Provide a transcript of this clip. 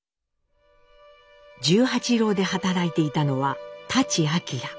十八楼で働いていたのは舘晃。